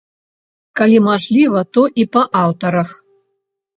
Калі мажліва, то і па аўтарах.